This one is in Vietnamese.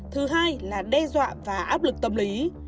thứ hai là đe dọa và áp lực tâm lý